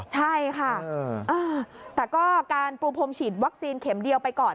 ใช่ค่ะแต่ก็การปูพรมฉีดวัคซีนเข็มเดียวไปก่อน